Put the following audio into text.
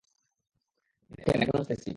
দেখেন, এখন নাচতেছি।